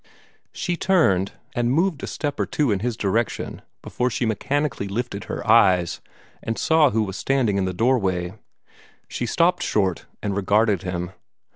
She turned, and moved a step or two in his direction before she mechanically lifted her eyes and saw who was standing in her doorway. She stopped short, and regarded him.